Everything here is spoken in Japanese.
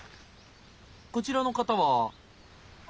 こちらの方は。